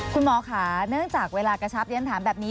คุณหมอค่ะเนื่องจากเวลากระชับเรียนถามแบบนี้